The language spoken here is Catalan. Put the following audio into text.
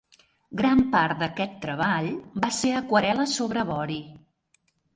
Gran part d'aquest treball va ser aquarel·la sobre vori.